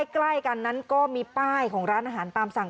ใกล้กันนั้นก็มีป้ายของร้านอาหารตามสั่ง